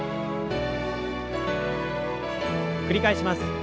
繰り返します。